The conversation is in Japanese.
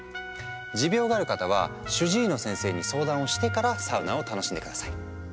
持病がある方は主治医の先生に相談をしてからサウナを楽しんで下さい。